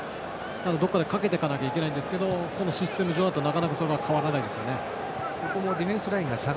どこかでかけていかなくちゃいけないんですけど、システム上なかなか変わらないですね。